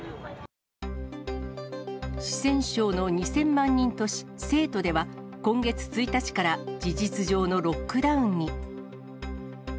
四川省の２０００万人都市、成都では、今月１日から事実上のロックダウンに。